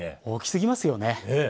大きすぎますよね。